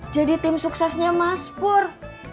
jadi tim suksesnya mas pur